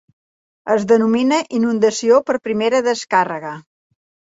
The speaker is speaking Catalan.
Es denomina inundació per primera descàrrega.